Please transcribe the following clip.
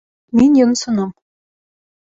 Мин йонсоном.